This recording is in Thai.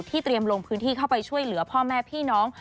เตรียมลงพื้นที่เข้าไปช่วยเหลือพ่อแม่พี่น้อง